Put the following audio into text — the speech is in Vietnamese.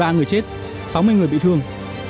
một mươi ba người chết sáu mươi người bị thương